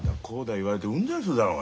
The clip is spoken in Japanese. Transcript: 言われてうんざりするだろうが。